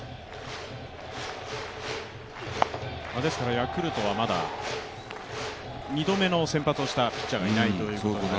ヤクルトはまだ２度目の先発をしたピッチャーがいないということです。